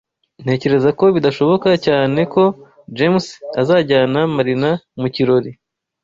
Ntekereza ko bidashoboka cyane ko James azajyana Marina mu kirori.